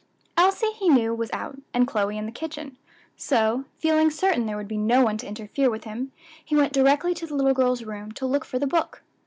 Elsie, he knew, was out, and Chloe in the kitchen; so, feeling certain there would be no one to interfere with him, he went directly to the little girl's room to look for the book.